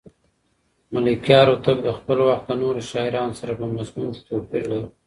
ملکیار هوتک د خپل وخت له نورو شاعرانو سره په مضمون کې توپیر لري.